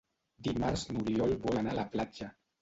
Dimarts n'Oriol vol anar a la platja.